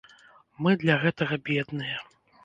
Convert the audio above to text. Мы для гэтага бедныя.